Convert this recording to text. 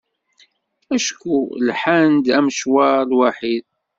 Acku lḥan-d amecwar lwaḥid.